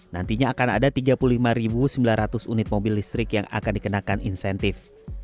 nantinya akan ada tiga puluh lima sembilan ratus unit mobil listrik yang akan dikenakan insentif